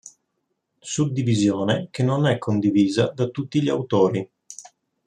Suddivisione che non è condivisa da tutti gli Autori.